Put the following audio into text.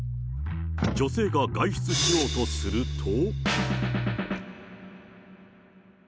女性が外出しようとすると。